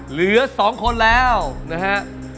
เหลือ๒คนแล้วนะฮะ